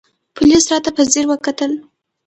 پوليس راته په ځير وکتل.